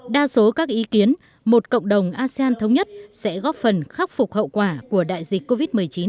đa số các ý kiến một cộng đồng asean thống nhất sẽ góp phần khắc phục hậu quả của đại dịch covid một mươi chín